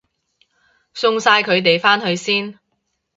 送晒佢哋返去先